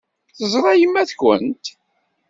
Teẓra yemma-twent?